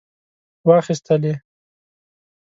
واخیستلې.